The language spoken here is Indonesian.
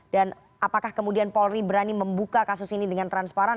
dan apakah kemudian polri berani membuka kasus ini dengan transparan